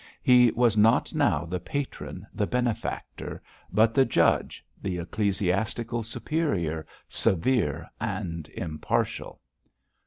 He was not now the patron, the benefactor; but the judge, the ecclesiastical superior, severe and impartial.